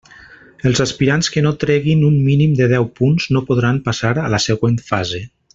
Els aspirants que no treguin un mínim de deu punts no podran passar a la següent fase.